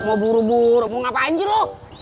mau buru buru mau ngapain sih lu